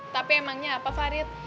tapi emangnya apa farid